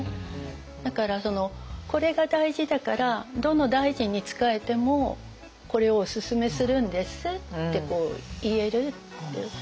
だから「これが大事だからどの大臣に仕えてもこれをおすすめするんです」って言えるっていう。